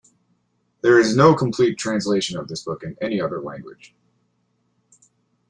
There is no complete translation of this book in any other language.